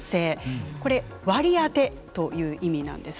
これ割り当てという意味なんです。